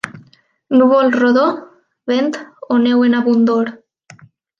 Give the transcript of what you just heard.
Núvol rodó, vent o neu en abundor.